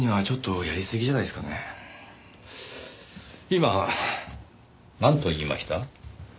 今なんと言いました？